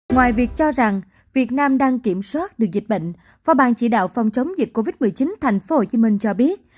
ngoài việc cho rằng việt nam đang kiểm soát được dịch bệnh phó ban chỉ đạo phòng chống dịch covid một mươi chín tp hcm cho biết